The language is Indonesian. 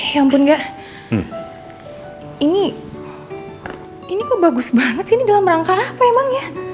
ya ampun nggak ini kok bagus banget sih ini dalam rangka apa emang ya